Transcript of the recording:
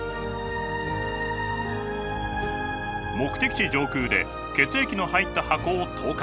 目的地上空で血液の入った箱を投下。